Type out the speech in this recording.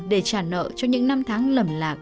để trả nợ cho những năm tháng lầm lạc